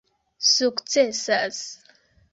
sukcesas